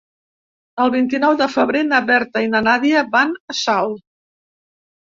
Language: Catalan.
El vint-i-nou de febrer na Berta i na Nàdia van a Salt.